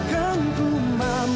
jangan pergi lagi